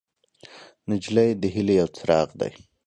نجلۍ د هیلې یو څراغ دی.